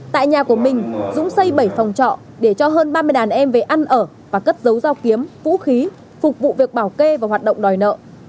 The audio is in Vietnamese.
tại nhà của mình dũng xây bảy phòng trọ để cho hơn ba mươi đàn em về ăn ở và cất dấu dao kiếm vũ khí phục vụ việc bảo kê và hoạt động đòi nợ